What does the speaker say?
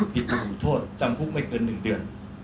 ผิดระบุโทษจำคุกไม่เกิน๑เดือน